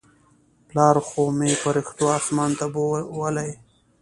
پلار خو مې پرښتو اسمان ته بولى.